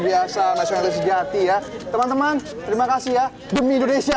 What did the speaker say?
oh siap luar biasa nasionalisasi jati ya teman teman terima kasih ya demi indonesia